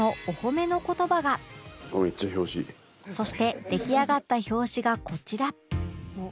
そして出来上がった表紙がこちら